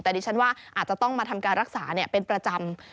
แต่ดิฉันว่าอาจจะต้องมาทำการรักษาเป็นประจำ